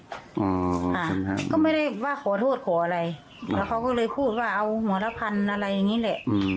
อ่านครับก็ไม่ได้ว่าขอโทษขออะไรแล้วเขาก็เลยพูดว่าเอาหัวละพันอะไรอย่างนี้แหละ